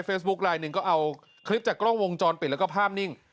ลายหนึ่งก็เอาคลิปจากกล้องวงจรปิดแล้วก็ภาพนิ่ง